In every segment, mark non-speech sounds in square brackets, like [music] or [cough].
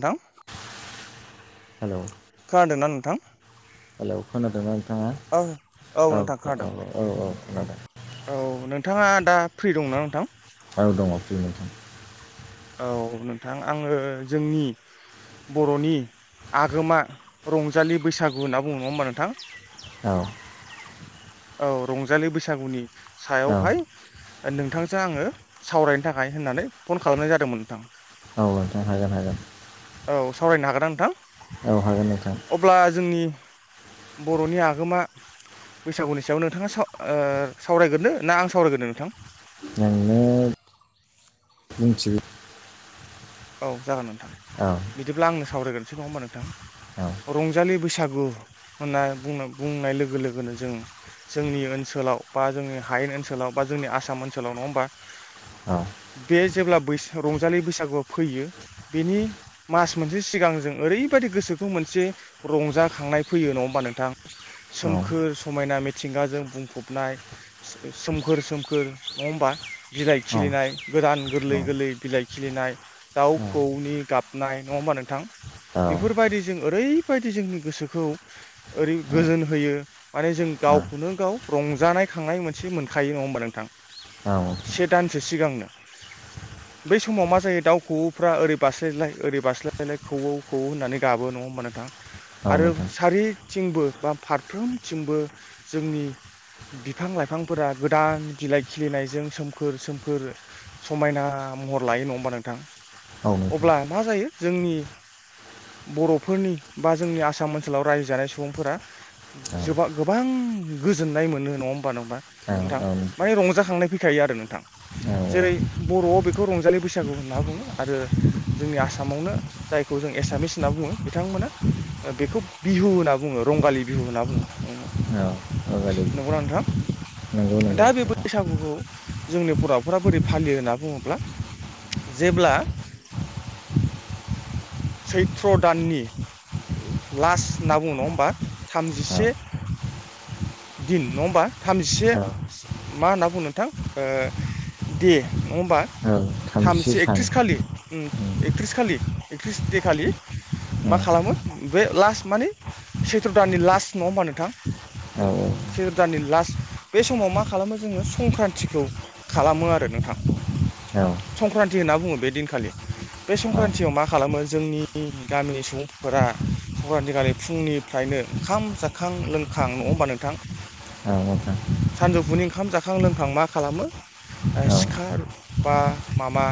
नोंथां हेलौ खोनादों ना नोंथां? हेलौ खोनादोंना नोंथाङा औ औ नोंथां खोनादों औ औ औ खोनादों औ नोंथाङा दा फ्रि दंना नोंथां? औ दङ फ्रि नोंथां औ नोंथां आङो जोंनि बर'नि आगोमा रंजालि बैसागु होनना बुङो नङा होमबा नोंथां? औ औ रंजालि बैसागुनि औ सायावहाय नोंथांजो आङो सावरायनो थाखाय होननानै फन खालामनाय जादोंमोन नोंथां। औ नोंथां हागोन हागोन। औ। सावरायनो हागोन आं नोंथां? औ हागोन नोंथां अब्ला जोंनि बर'नि आगोमा बैसागुनि सायाव नोंथाङा सावरायग्रदो ना आं सावरायग्रोनो नोंथां? नोंनो बुंथिग्रो औ जागोन नोंथां। बिदिब्ला आंनो सावरायग्रोनोसै नङा होनबा नोंथां। औ रंजालि बैसागु होनना बुंनाय लोगो-लोगोनो जों जोंनि ओनसोलनि ओनसोलाव बा जोंनि हायेन ओनसोलाव बा जोंनि आसाम ओनसोलाव नङा होमबा औ बे जेब्ला बै रंजालि बैसागुआ फैयो बेनि मास मोनसे सिगां जों ओरैबायाददि गोसोखौ मोनसे रंजाखांनाय फैयो न' नोंथां औ सोमखोर समायना मिथिंगाजों बुंफबनाय सोमखोर- सोमखोर ओ नङा होमबा बिलाइ खिलिनाय गोदान औ नोंथां औ नोंथां औ गोरलै- नोंथां गोरलै बिलाइ खिलिनाय दाउ खौनि गाबनाय नङा होमबा नोंथां? औ बेफोरबायदि जों ओरैबायदि जोंनि गोसोखौ ओरै गोजोन होयो माने जों गावखौनो गाव रंजानाय खांनाय मोनसे मोनखायो नङा होमबा नोंथां। से दानसो सिगांनो बै समाव मा जायो दाउ खौवौफ्रा ओरै बारास्लायलाय ओरै बास्लायलाय खौवौ खौवौ होननानै गाबो नङ होनोमबा नोथां आरो सारिथिंबो बा फारफ्रोमथिंबो जोंनि बिफां-लाइफांफोरा गोदान बिलाइ खिलिनायजों सोमखोर सोमखोर समायना महर लायो नङा होमबा नोंथां। अब्ला मा जायो जोंनि बर'फोरनि बा जोंनि आसाम ओनसोलाव रायजो जानाय सुबुंफोरा गोबां गोजोननाय मोनो नङा होमबा नोंथां माने रंजाखांनाय फैखायो आरो नोंथां जेरै बर'आव बेखौ रंजालि बैसागु होनना बुङो आरो जोंनि आसामावनो जायखौ जों एसामिस होनना बुङो बिथांमोना बेखौ बिहु होनना बुङो रंगालि बिहु होनना बुङो गारि नंगौना नोंथां नंगौ नंगौ दा बे नोंथां बैसागुखौ जोंनि बर'फोरा बोरै फालियो होनना बुङोब्ला जेब्ला सैथ्र' दाननि लास्ट होनना बुङो नङा होमबा थामजिसे औ दिल नङा होमबा थामजिसे औ मा होन्ना बुंङो नोंथां ओ दे नङा होमबा औ थामजि थामजिसे सान एकथ्रिस खालि, उम, एकथ्रिस खालि एकथ्रिस दे खालि मा औ खालामो बे लास्ट माने सैथ्र' दाननि लास्ट नङा होमबा नोंथां औ सैत्र' दाननि लास्ट बे समाव मा खालामो जोङो संक्रान्तिखौ खालामो आरो नोंथां। औ। संक्रान्ति होनना बुङो बे दिनखालि बे औ संक्रान्तयाव मा खालामो जोंनि गामिनि सुबुंफोरा आ संक्रान्तिखालि फुंनिफ्रायनो ओंखाम जाखां- लोंखां नङा होमबा नोंथां औ नोंथां सानजौफुनि ओंखाम जाखां- लोंखां मा खालामो औ सिखा बा माबा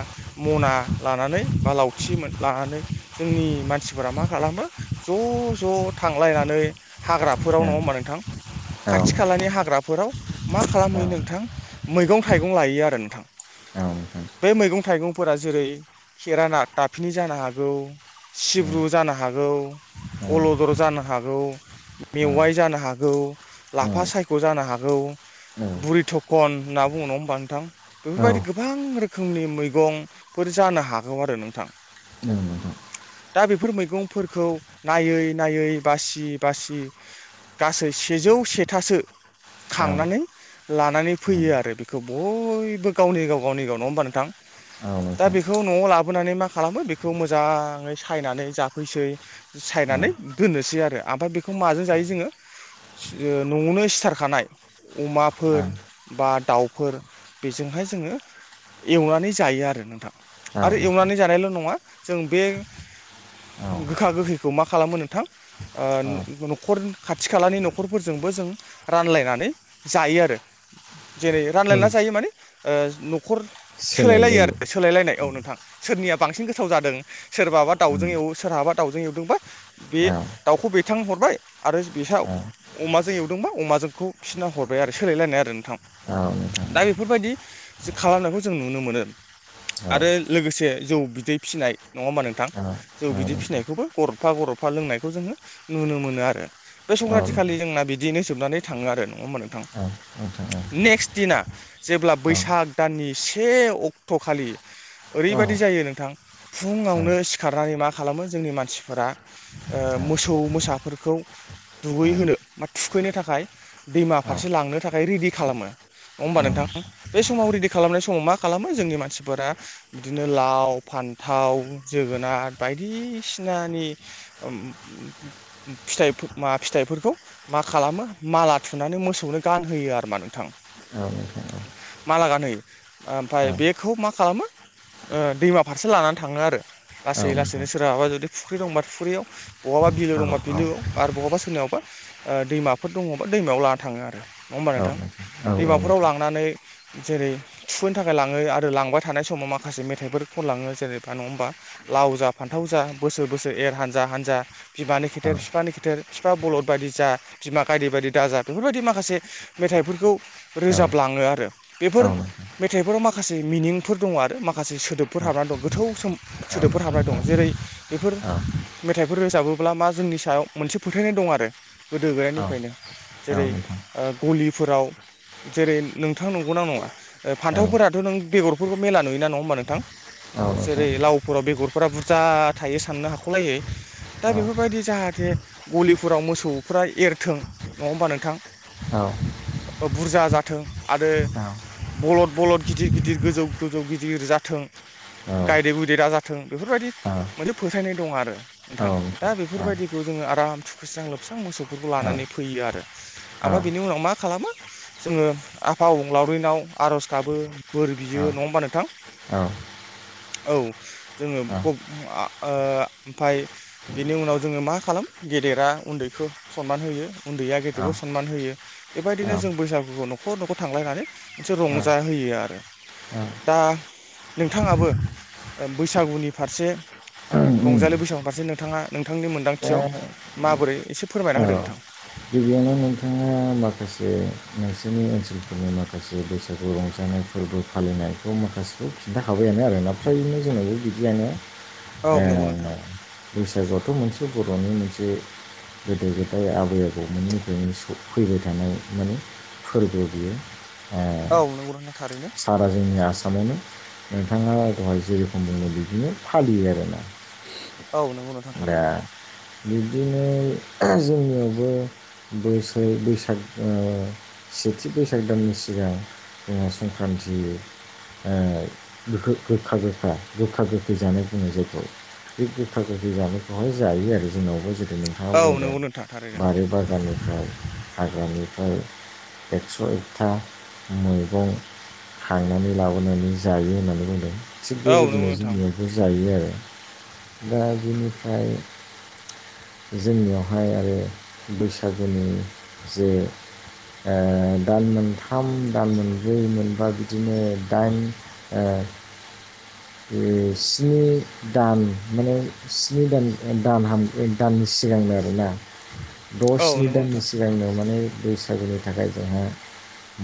मना लानानै बा लावथि लानानै जोंनि मानसिफोरा मा खालामो ज' ज' थांलायनानै हाग्राफोराव नङा होमबा नोंथां औ खाथि खालानि हाग्राफोराव मा खालामहैयो नोंथां मैगं-थाइगं लायो आरो नोंथां। औ। बे मैगं-थाइगंफोरा जेरै खेराना दाफिनि जानो हागौ, सिब्रु औ औ जानो हागौ, औ अलदर जानो हागौ, मेवाइ जानो हागौ, लाफा सायख' जानो हागौ, बुरि थखन होनना बुङो नङा होमबा नोंथां बेफोरबायदि गोबां रो खोमनि मैगंफोर जानो हागौ आरो नोंथां। नोंथां दा बेफोर मैगंफोरखौ नायै नायै बासि बासि गासै से जौ सेथासो खांनानै लानानै फैयो आरो बेखौ बयबो गावनि गाव- गावनि नङा होमबा नोंथां? औ दा बेखौ न'आव लाबोनानै मा खालामो बेखौ मोजाङै सायनानै जाफैसै सायना नानै दोननोसै आरो ओमफाय बेखौ माजों जायो जोङो न'आवनो सिथारखानाय अमाफोर बा दाउफोर बेजोंहाय जोङो एवनानै जायो आरो नोंथां आरो एवनानै जानायल' नङा जों बे गोखा गोखैखौ मा खालामो नोंथां ओ न'खर खाथि खालानि न'खरफोरजोंबो जों रानलायनानै जायो आरो जेरै रानलायना जायो माने ओ न'खर सोलायलायो आरो सोलायलायनायाव औ नों थां सोरनिया बांसिन गोथाव जादों सोरबाबा उम दाउजों एवो सोरहाबा दाउजों एवदोंबा बे औ दाउखौ बिथिं हरबाय आरो बिसा औ अमाजों एवदोंबा अमाजोंखौ बिसिना हरबाय आरो सोलायलायनाय आरो नोंथां। नोंथां दा बेफोरबायदि खालामनायखौ जों नुनो मोनो। औ आरो लोगोसे जौ बिदै फिसिनाय नङा होमबा नोंथां? औ जों बिदै नोंथां फिसिनायखौबो गरदफा गरदफा लोंनायखौ जोंङो नुनो मोनो आरो बे औ नोंथां औ संक्रान्ति खालि जोंना दा बिदियैनो जोबनानै थांङो आरो नङा होमबा नोंथां। नेक्स्ट दिना जेब्ला औ बैसाग दाननि से अक्ट'खालि ओरैबायाददि जायो नोंथां फुङावनो सिखारनानै मा खालामो जों जोंनि मानसिफोरा ओ मोसौ मोसाफोरखौ औ दुगैहोनो बा थुखैनो थाखाय दैमा औ फारसे लांनो थाखाय रेडि खालामो नङा औ होमबा नोंथां? बे समाव रेडि खालामनाय स समाव मा खालामो जोंनि मानसिफोरा बिदिनो लाव फान्थाव जोगोनार बायदि बायदिसिनानि फिथाइ फिथाइफोरखौ मा खालामो माला थुनानै मोसौनो गानहोयो आरो मा नोंथां माला गानहोयो ओमफाय बेखौ मा खालामो ओ दैमा फारसे लानानै थाङो आरो लासै लासैनो सोरहाबा जुदि फुख्रि दंबा फुख्रियाव बहाबा बिलो दंबा बिलोआव आरो बहाबा सोरनिनावबा दैमाफोर दङबा दैमायाव लाना थाङो आरो। नङा होमबा नोंथां? दैमाफोराव लांनानै जेरै थुखैनो थाखाय लांङो आरो लांबाय थानाय समाव माखासे मेथाइफोरखौ खनलाङो जेनेबा नङा होमबा लाव जा फान्थाव जा बोसोर बोसोर एर हानजा हानजा बिमानि खेथेर बिफानि खेथेर बिफा बलद बायदि जा बिमा गायदे बायदि दाजा बेफोरबायदि माखासे मेथाइफोरखौ औ रोजाबलाङो आरो बेफोर मेथाइफोराव माखासे मिनिंफोर दङ आरो माखासे सोदोबफोर हाबनानै दं गोथौ सोम सोदोबफोर हाबनानै दं जेरै बेफोर मेथाइफोर रोजाबोब्ला मा जोंनि सायाव मोनसे फोथायनाय दं आरो गोदो गोदनिफ्रायनो जेरै ओ गलिफोराव जेरै नोंथां नोंगौ ना नङा? फान्थावफोराथ' नों बेगरफोरखौ मेला नुयो ना नङा होनोमबा नोंथां। जेरै लावफोराव बेगरफोरा बुरजा थायो साननो हाख'लायै दा औ बेफोरबायदि जाहाथे गलिफोराव मोसौफ्रा एरथों नङा होमबा नोंथां औ बुरजा जाथों आरो बलद बलद गिदिर गिदिर गोजौ गोजौ गिदिर जाथों। गायदे गुयदै बादि दा जाथों बेफोरबायदि मोनसे फोथायनाय दं आरो नोंथां दा बे बेफोरबायदिखौ जोंङो आराम थुखस्रां लोबस्रां मोसौफोरखौ लानानै फैयो आरो ओमफाय बिनि उनाव मा खालामो जोंङो आफा अबंलावरिनियाव आर'ज गाबो बोर बियो नङा होमबा नोंथां? औ औ जोंङो ओ ओमफाय बेनि उनाव जोङो मा खा लामो गेदेरा उन्दैखौ सनमान होयो उन्दैया गेदेरखौ सनमान होयो बेबायदिनो जों बैसागु न'खर न'खर थांलायनानै मोनसे रंजाहोयो आरो। दा नोंथाङाबो ओ बैसागुनि फारसे रंजालि बैसागुनि फारसे नोंथाङा नोंथांनि मोन्दांथियाव दा माबोरै एसे फोरमायना औ होदो नोंथां। गिबियावनो नोंथाङा माखासे नोंसोरनि ओनसोलफोरनि माखासे बैसागु रंजानाय फोरबो फालिनायखौ माखासेखौ खिन्थाखाबायानो मोनो आरो ना फ्रायनो जोंनावो बिदियनो औ ओ नंगौ नोंथां बैसागुआवथ' मोनसे बर'नि मोनसे गोदो गोदाय आबै आबौमोननिफ्रायनो फैबाय थानाय माने फोरबो बियो ओ औ नंगौ नोंथां थारैनो सारा जोंनिया आसामावनो नोंथाङा दहाय जेरखम बुंदों बिदिनो फालियो आरोना औ नोंगौ नोथां थारैनो बिबदिनो जोंनियावबो बो बैसाग ओ सेथि बैसाग दाननि सिगां जोंहा संक्रान्ति होयो ओ गो गोखा गोखा गोखा गोखै जानाय बुङो जायखौ बे गोखा गोखै जानायखौहाय जायो आरो जोंनावबो जेरै नोंथाङा औ बुंदों नंगौ नोंथां थारैनो बारि बागाननि ओमफ्राय हाग्रानिफ्राय एक्स' एकथा मैगं खांनानै लाबोनानै जायो होननानै बुंदों थिग औ नंगौ बेबायदिनो नोंथां जोंनियावबो जायो आरो। दा बिनिफ्राय जोंनियाव बेवहाय आरो बैसागोनि जे ओ दान मोनथाम दान मोनब्रै मोनबा बिदिनो दाइन [inaudible] स्नि दान माने स्नि दान दान दाननि सिगांनो आरो। मोना औ दअसनि नंगौ दाननि नोंथां सिगांनो माने बैसागुनि थाखाय जोंहा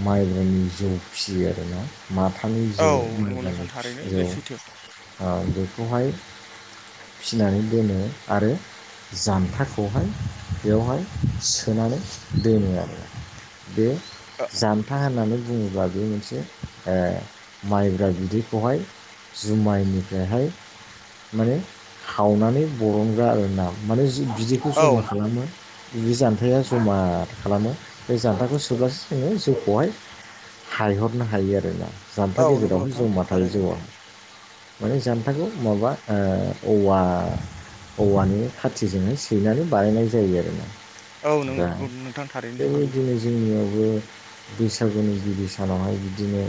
माइबनि जौ फिसियो आरोना माथानि औ जौ नंगौ माइगानि नोंथां थारैनो बे जौ सैथो बेखौहाय फिनानै दोनो आरो जानथार खौहाय बेवहाय सोनानै दोनो आरो। बे जानथा होननानै बुङोब्ला बे मोनसे माइब्रा बिदैखौहाय जुमायनिफ्रायहाय माने खावनानै बरनग्रा आरो ना माने बिदैखौ औ जमा खालामो बि जान्थाया जमा खालामो बे जान्थाखौ सोब्लासो जोङो जौखौहाय हायहरनो हायो आरोना जामथा औ नंगौ गेजेरावहाय नोंथां जमा थायो थारैनो। जौआ। माने जामथाखौ माबा औवा औवानि खाथिजोंनो सैनानै बानायनाय जायो आरो औ ना नंगौ नोंथां थारैनो जों दि जोंनियावबो बैसागुनि गिबि सानावहाय बिदिनो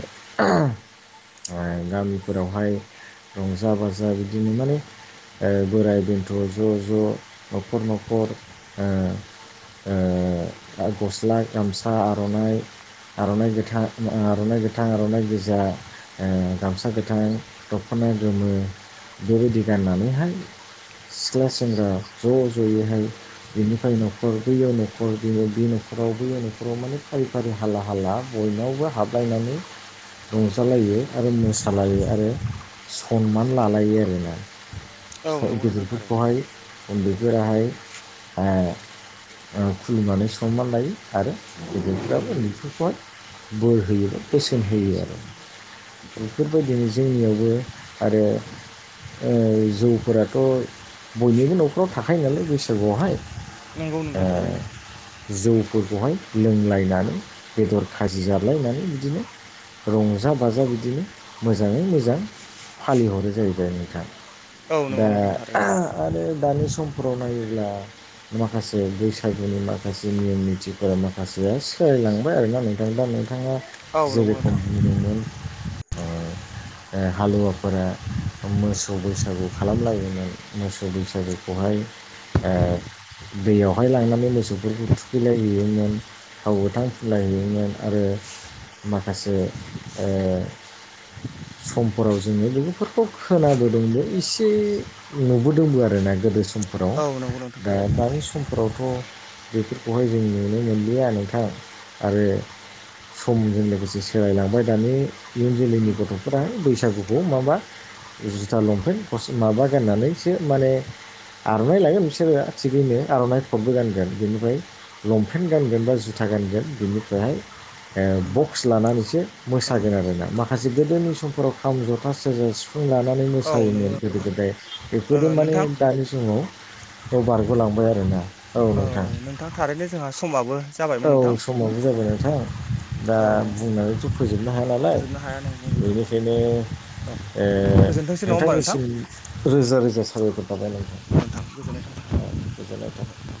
गामिफोरावहाय रंजा बाजा बिदिनो माने बोराय बेन्थ' ज' ज' न'खर न'खर ओ गस्ला गामसा आर'नाइ आर'नाइ गोथां आर'नाइ गोथां आर'नाइ गोजा गामसा गोथां दख'ना ना गोमो बेबायदि गाननानैहाय सिख्ला सेंग्रा ज'जयै हाय बेनिफ्राय न'खर बैयो न'खर दिनै बे न'खराव बैयो न'खराव माने फारि फारि हाला हाला बयनावबो हाबलायनानै रंजालायो आरो मोसालायो आरो सनमान लालायो आरोना। औ नंगौ नोंथां थारैनो गदेरफोरखौहाय उन्दैफोराहाय खुलुमनानै सननानै लायो आरो बेदैफोराबो उन्दैफोरखौहाय बोर होयोबा बोसोन होयो आरो। बेफोरबायदिनो जोंनियावबो आरो ओ जौफोराथ' बयनिबो न'खराव थाखायो नालाय बैसागुआवहाय नंगौ नोंथां थारैनो ओ जौ। फोरखौहाय लोंलायनानै बेदर खाजि जालायनानै बिदिनो रंजा बाजा बिदिनो मोजाङै मोजां फालिहरो जाहैबाय नोंथां। औ दा नंगौ नोंथां थारैनो आरो। दानि समफोराव नायोब्ला माखासे बैसागुनि माखासे नियम निथिफोरा माखासे बे सिोलायलांबाय आरोोना नोंथां दा नोंथाङा जेरेखम बुंदोंमोन। बे [unintelligible] हालुवाफोरा मोसौ बैसागु खालामलायोमोन मोसौ बैसागु बेहाय दैयावहाय लांनानै मोसौफोरखौ थुखैलायहैयोमोन थाव गोथां फुलायहैयोमोन आरो माखासे ओ [unintelligible] समफोराव जोङो लोगोफोरखौ खोनाबोदोंबो एसे नुबोदोंबो आरोना गोदो समफोराव औ नंगौ नोंथां दा थारैनो दानि समफोराव फथ' बेफोरखौहाय जों नुनो मोनलिया नोंथां आरो समजों लोगोसे सोलायलांबाय दानि इयुन जोलैनि गथ'फोरा बैसागुखौ माबा जुथा लंपेन्ट माबा गाननानैसो माने आर'नाइ लायो बिसोरो थिगैनो आर'नाइ फटबो गानगोन बेनिफ्राय लंपेन्ट गानगोन बा ज जुथा गानगोन बिनिफ्रायहाय बक्स लानानैसो औ मोसागोन आरोना माखासे गोदोनि समफोराव खाम जथा सेरजा सि फुं लानानै औ नंगौ मोसायोमोन गोदो नोंथां गोदाय ओ बेफोरजों माने नोंथां बे समाव बेयाव बारग'लांबाय आरोना औ नोंथां थारैनो जोंहा समाबो ज औ समावो जाबाय नोंथां दा औ बुंनानैथ' फोजोबनो हाया नालाय फोजोबनो हाया नंगौ नोंथां बेनिखायनो औ ओ‌‌ गोजोनथोंसै नङा होमबा नोंथां नोंथांनिसिम रोजा रोजा साबायखर बायावबाय नोंथां। गोथां गोजोननाय थ औ, [unintelligible] गोजोननाय थाबाय।